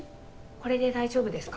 これで大丈夫ですか？